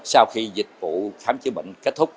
sau khi dịch vụ khám chứa bệnh kết thúc